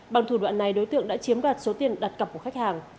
bằng thủ đoạn này đối tượng đã chiếm đặt số tiền đặt cọc của khách hàng